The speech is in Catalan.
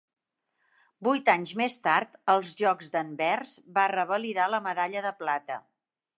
Vuit anys més tard, als Jocs d'Anvers, va revalidar la medalla de plata.